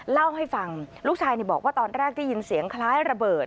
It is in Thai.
เล่าให้ฟังลูกชายบอกว่าตอนแรกได้ยินเสียงคล้ายระเบิด